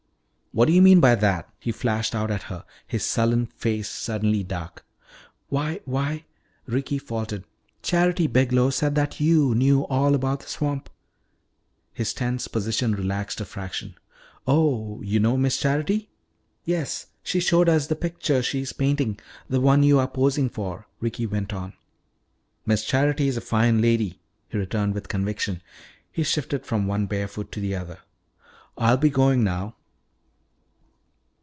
"What do yo' mean by that?" he flashed out at her, his sullen face suddenly dark. "Why why " Ricky faltered, "Charity Biglow said that you knew all about the swamp " His tense position relaxed a fraction. "Oh, yo' know Miss Charity?" "Yes. She showed us the picture she is painting, the one you are posing for," Ricky went on. "Miss Charity is a fine lady," he returned with conviction. He shifted from one bare foot to the other. "Ah'll be goin' now."